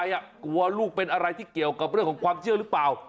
กลัวลูกเป็นอะไรที่เกี่ยวกับเรื่องของความเชื่อหรือเปล่า